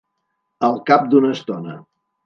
Al cap d'una estona.